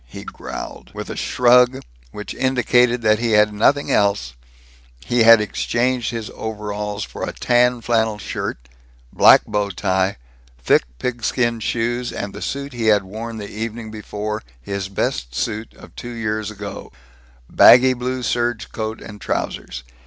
he growled. With a shrug which indicated that he had nothing else, he had exchanged his overalls for a tan flannel shirt, black bow tie, thick pigskin shoes, and the suit he had worn the evening before, his best suit of two years ago baggy blue serge coat and trousers.